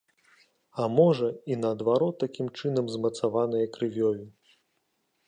А можа, і наадварот такім чынам змацаванае крывёю.